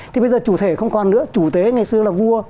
thì bây giờ chủ thể không còn nữa chủ tế ngày xưa là vua